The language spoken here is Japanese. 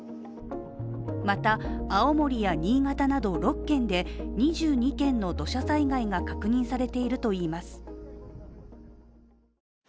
また青森や新潟など６県で２２件の土砂災害が確認されているといいます。